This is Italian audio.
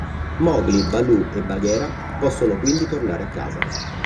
Mowgli, Baloo e Bagheera possono quindi tornare a casa.